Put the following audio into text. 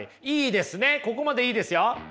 ここまでいいですよ。